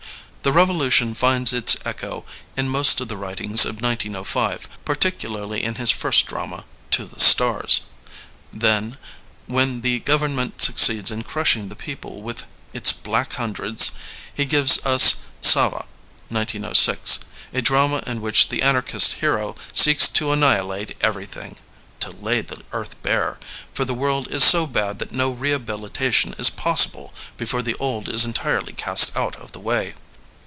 The Revolution finds its echo in most of the writings of 1905, particularly in his first drama, To the Stars. Then, when the government succeeds in crushing the people with its Black Hundreds, he gives ns Savva (1906), a drama in which the anarchist hero seeks to anni hilate everything, to lay the earth bare,'' for the world is so bad that no rehabilitation is possible before the old is entirely cast out of the way.